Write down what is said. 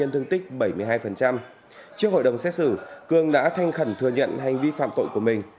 trước hội đồng xét xử cương đã thanh khẩn thừa nhận hành vi phạm tội của mình